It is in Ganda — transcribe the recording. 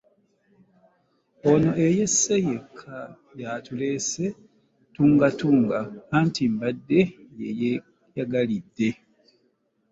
Ono eyesse yekka y'atuleese ttungattunga anti mbadde ye yeeyagalidde.